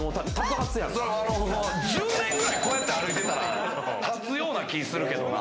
１０年ぐらいこうやって歩いてたら建つような気するけれどもな。